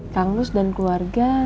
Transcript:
kang lus dan keluarga